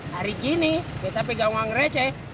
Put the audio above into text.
hari kini kita pegang uang receh